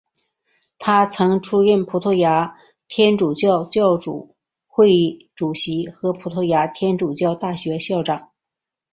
他曾出任葡萄牙天主教主教会议主席和葡萄牙天主教大学校长。